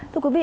thưa quý vị